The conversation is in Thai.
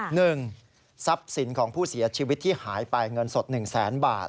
หนึ่งทรัพย์สินของผู้เสียชีวิตที่หายไปเงินสดหนึ่งแสนบาท